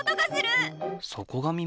そこが耳？